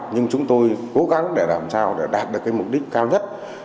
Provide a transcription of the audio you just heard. nhưng chúng tôi cố gắng để làm sao đạt được mục đích cao nhất